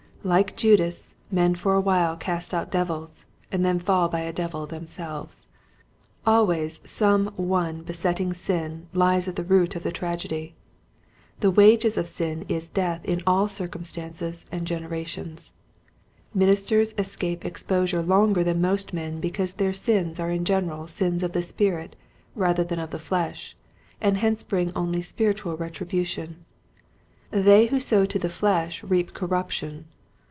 Like Judas men for a while cast out devils and then fall by a devil themselves. Always some one besetting sin hes at the root of the tragedy. The wages of sin is death in all circumstances and gener ations. Ministers escape exposure longer than most men because their sins are in general sins of the spirit rather than of the flesh and hence bring only spiritual retri bution. They who sow to the flesh reap corruption.